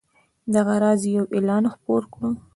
دغه راز یو اعلان خپور کړئ.